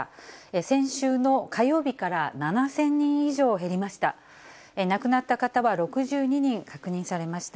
先週の火曜日から７０００人以上減りました。